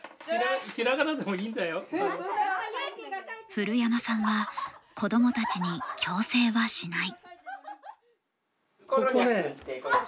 古山さんは子供たちに強制はしない。